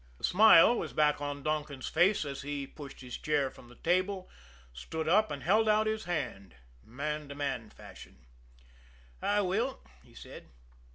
The smile was back on Donkin's face as he pushed his chair from the table, stood up, and held out his hand man to man fashion. "I will," he said.